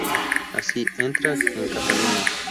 Así, entra en Cataluña.